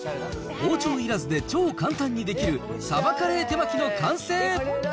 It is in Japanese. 包丁いらずで超簡単にできるサバカレー手巻きの完成。